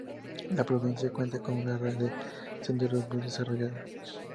La provincia cuenta con una red de senderos muy desarrollada.